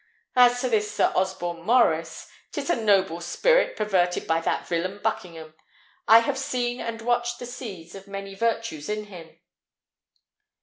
As to this Sir Osborne Maurice, 'tis a noble spirit perverted by that villain Buckingham. I have seen and watched the seeds of many virtues in him."